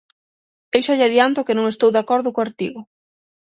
Eu xa lle adianto que non estou de acordo co artigo.